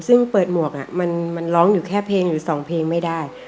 ซึ่งเปิดหมวกมันร้องอยู่แค่เพลงหรือ๒เพลงไม่ได้